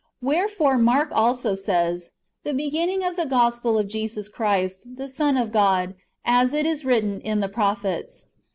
Wherefore Mark also says :" The begin ning of the gospel of Jesus Christ, the Son of God ; as it is written in the prophets."